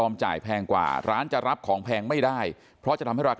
มันก็ไม่ไหว